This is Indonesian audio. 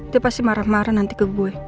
dia pasti marah marah nanti ke gue